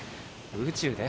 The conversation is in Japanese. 宇宙で？